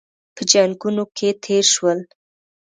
په جنګونو کې تېر شول.